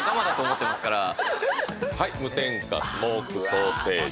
無添加スモークソーセージ。